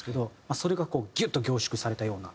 それがこうギュッと凝縮されたような人だなって。